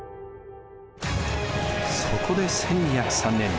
そこで１２０３年